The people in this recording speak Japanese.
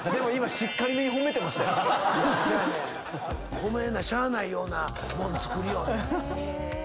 褒めなしゃあないようなもん作りよんねん。